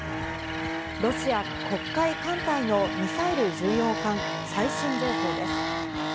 ロシア黒海艦隊のミサイル巡洋艦最新情報です。